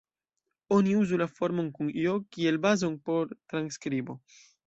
Oni uzu la formon kun "j" kiel bazon por transskribo.